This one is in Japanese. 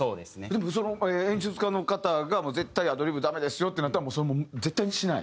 でも演出家の方が絶対アドリブダメですよってなったらそれもう絶対にしない？